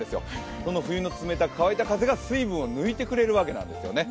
この冬の冷たい乾いた風が水分を抜いてくれるんですよね。